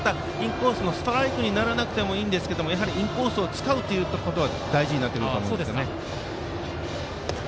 ストライクにならなくてもいいんですがやはりインコースを使うことは大事になってくると思います。